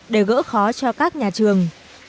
để gỡ khó cho các nhà trường